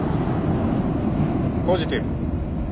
ポジティブ。